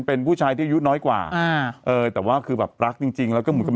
เป็นผู้ชายที่อายุน้อยกว่าอ่าเออแต่ว่าคือแบบรักจริงจริงแล้วก็เหมือนกับ